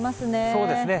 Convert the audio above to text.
そうですね。